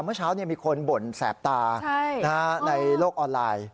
เมื่อเช้ามีคนบ่นแสบตาในโลกออนไลน์